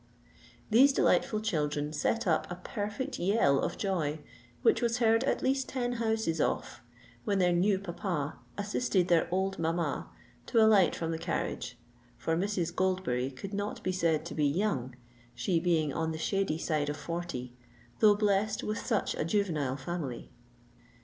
These delightful children set up a perfect yell of joy, which was heard at least ten houses off, when their "new papa" assisted their old mamma to alight from the carriage; for Mrs. Goldberry could not be said to be young, she being on the shady side of forty, though blessed with such a juvenile family.